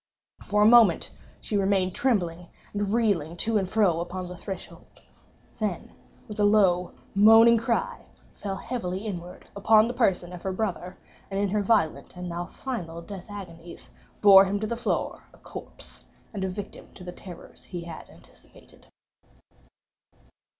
For a moment she remained trembling and reeling to and fro upon the threshold—then, with a low moaning cry, fell heavily inward upon the person of her brother, and in her violent and now final death agonies, bore him to the floor a corpse, and a victim to the terrors he had anticipated.